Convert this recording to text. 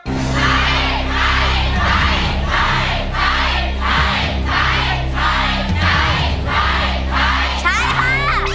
ใช้ใช้ใช้ใช้ใช้ใช้ใช้ใช้ใช้ใช้ใช้ใช้ใช้